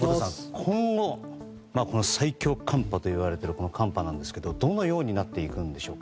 今後この最強寒波といわれているこの寒波ですがどのようになっていくんでしょうか。